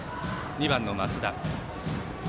２番の増田。